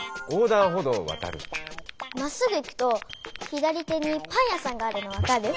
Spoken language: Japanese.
まっすぐ行くと左手にパン屋さんがあるの分かる？